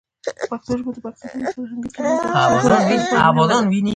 پښتو ژبه د پښتنو د فرهنګي، ټولنیز او اقتصادي پرمختګ لپاره مهمه ده.